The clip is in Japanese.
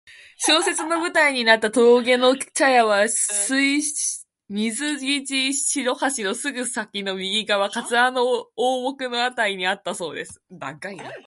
小説の舞台になった峠の茶屋は水生地・白橋のすぐ先の右側、桂の大木のあたりにあったそうです。